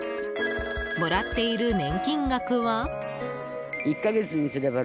もらっている年金額は？